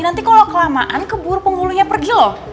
nanti kalau kelamaan keburu penggulunya pergi lho